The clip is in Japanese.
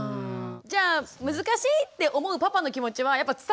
じゃあ難しいって思うパパの気持ちはやっぱ伝わっちゃう？